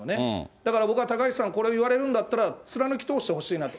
だから僕は高市さん、これ言われるだったら、貫き通してほしいなと。